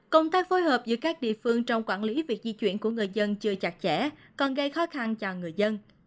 công tác phối hợp giữa các địa phương trong quản lý việc di chuyển của người dân chưa chặt chẽ còn gây khó khăn cho người dân